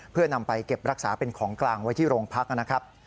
เพื่อนำไปเก็บรักษาเป็นของกลางไว้ที่โรงพักนะครับ